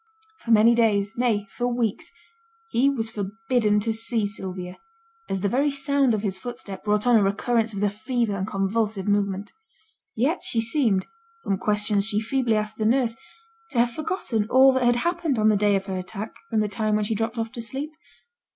For many days, nay, for weeks, he was forbidden to see Sylvia, as the very sound of his footstep brought on a recurrence of the fever and convulsive movement. Yet she seemed, from questions she feebly asked the nurse, to have forgotten all that had happened on the day of her attack from the time when she dropped off to sleep.